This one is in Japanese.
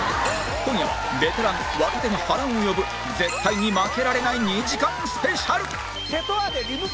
今夜はベテラン・若手の波乱を呼ぶ絶対に負けられない２時間スペシャル